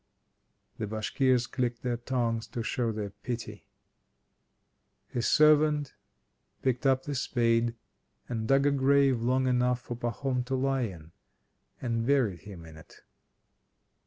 The Bashkirs clicked their tongues to show their pity. His servant picked up the spade and dug a grave long enough for Pahom to lie in, and buried him in it.